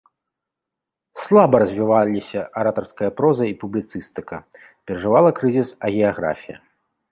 Слаба развіваліся аратарская проза і публіцыстыка, перажывала крызіс агіяграфія.